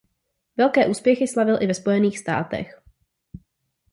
Velké úspěchy slavil i ve Spojených státech.